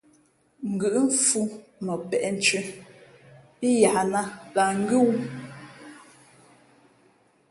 Ngʉ̌ʼ mfhʉ̄ mα peʼnthʉ̄ pí yahnāt lah ngʉ́ wū.